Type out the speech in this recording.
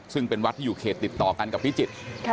ซึ่งเป็นวัตรอยู่เขตติดต่อกับพิจิตร